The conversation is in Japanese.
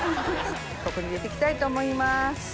ここに入れていきたいと思います。